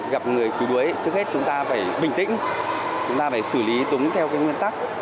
gặp người cứu đuối trước hết chúng ta phải bình tĩnh chúng ta phải xử lý đúng theo nguyên tắc